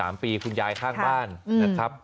๓ปีคุณยายข้างบ้านนะครับ